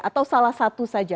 atau salah satu saja